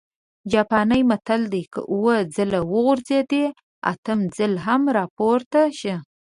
جاپانى متل: که اووه ځل وغورځېدې، اتم ځل لپاره هم راپورته شه!